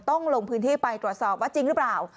ลงพื้นที่ไปตรวจสอบว่าจริงหรือเปล่า